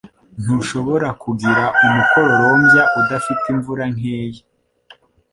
Ntushobora kugira umukororombya udafite imvura nkeya.